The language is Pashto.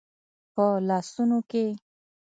په لاسونو کې